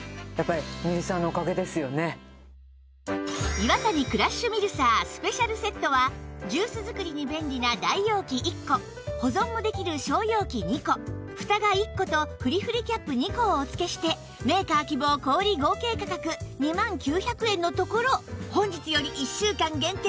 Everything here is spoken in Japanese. イワタニクラッシュミルサースペシャルセットはジュース作りに便利な大容器１個保存もできる小容器２個フタが１個とふりふりキャップ２個をお付けしてメーカー希望小売合計価格２万９００円のところ本日より１週間限定